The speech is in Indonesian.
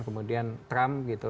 kemudian trump gitu